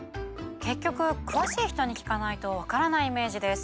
結局詳しい人に聞かないとわからないイメージです。